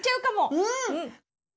うん！